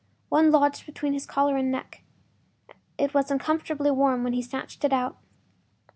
One lodged between his collar and neck; it was uncomfortably warm and he snatched it out.